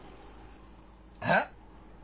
えっ？